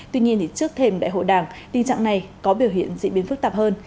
tuy nhiên trước thềm đại hội đảng tình trạng này có biểu hiện diễn biến phức tạp hơn